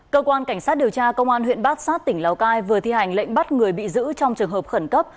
cơ quan cảnh sát điều tra công an huyện bát sát tỉnh lào cai vừa thi hành lệnh bắt người bị giữ trong trường hợp khẩn cấp